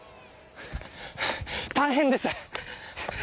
大変です！